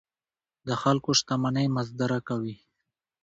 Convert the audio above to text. د خلکو شتمنۍ مصادره کوي.